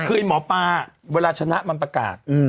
คือหมอปลาเวลาชนะมันประกาศ